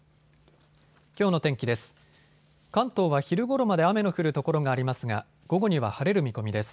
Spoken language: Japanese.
きょうの天気です。